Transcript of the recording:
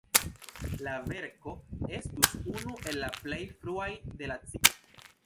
La verko estus unu el la plej fruaj de la ciklo.